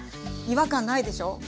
違和感ないでしょ？